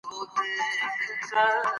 افغانستان د ژمی په اړه علمي څېړنې لري.